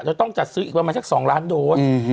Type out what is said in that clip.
จะต้องจัดซื้ออีกประมาณสัก๒ล้านโดส